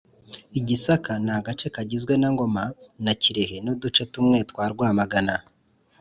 Igisaka Ni agace kagizwe na Ngoma na Kirehe n’uduce tumwe twa Rwamagana